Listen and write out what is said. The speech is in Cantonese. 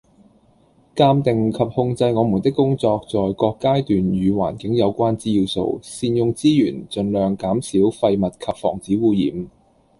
鑑定及控制我們的工作在各階段與環境有關之要素，善用資源，盡量減少廢物及防止污染